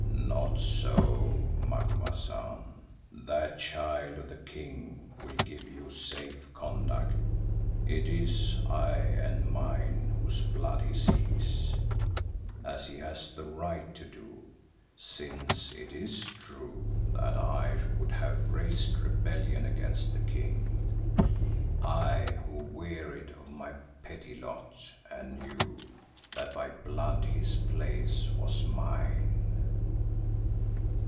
"Not so, Macumazahn. That child of the King will give you safe conduct. It is I and mine whose blood he seeks, as he has the right to do, since it is true that I would have raised rebellion against the King, I who wearied of my petty lot and knew that by blood his place was mine.